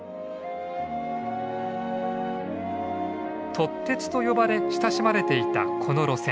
「とってつ」と呼ばれ親しまれていたこの路線。